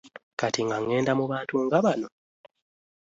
Kati nga ŋŋenda mu bantu nga bano!